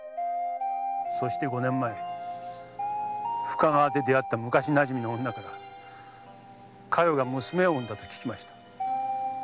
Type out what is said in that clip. そして五年前深川で出会った昔馴染みの女から加代が娘を生んだと聞きました。